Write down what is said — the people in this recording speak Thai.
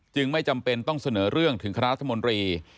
ไม่จำเป็นต้องเสนอเรื่องถึงคณะรัฐมนตรี